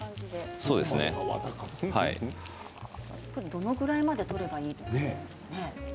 どのぐらいまで取ればいいんですか。